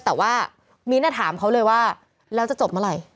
แต่ว่ามิ้นท์ถามเขาเลยว่าแล้วจะจบเมื่อไหร่